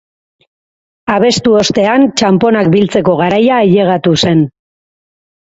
Abestu ostean, txaponak biltzeko garaia ailegatu zen.